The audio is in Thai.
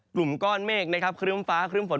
กลุ่มก้อนเมฆนะครับเครื่องฟ้าเครื่องฝน